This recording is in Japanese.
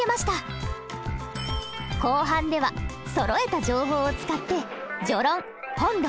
後半ではそろえた情報を使って序論本論